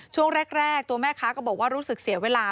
ช่วงแรกตัวแม่ค้าก็บอกว่ารู้สึกเสียเวลา